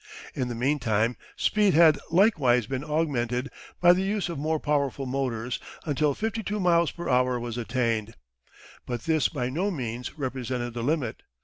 In the meantime speed had likewise been augmented by the use of more powerful motors until 52 miles an hour was attained. But this by no means represented the limit.